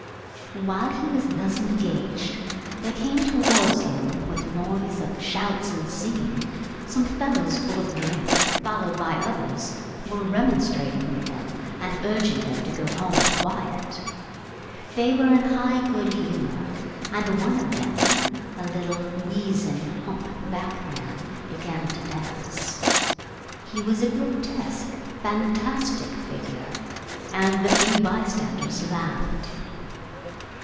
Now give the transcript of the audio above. While he was thus engaged, there came towards him, with noise of shouts and singing, some fellows full of drink, followed by others, who were remonstrating with them and urging them to go home in quiet. They were in high good humour; and one of them, a little, weazen, hump backed man, began to dance. He was a grotesque, fantastic figure, and the few bystanders laughed.